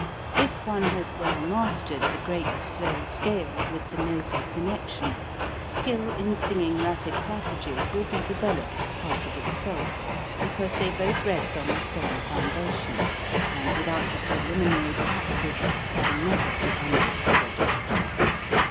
If one has well mastered the great, slow scale, with the nasal connection, skill in sing ing rapid passages will be developed quite of itself, because they both rest on the same foundation, and without the preliminary prac tice can never be understood.